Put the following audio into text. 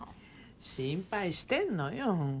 心配してんのよ。